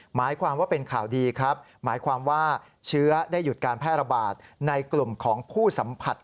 หมายความว่าเป็นข่าวดีครับหมายความว่าเชื้อได้หยุดการแพร่ระบาดในกลุ่มของผู้สัมผัส